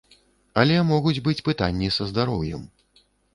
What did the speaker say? Але могуць быць пытанні са здароўем.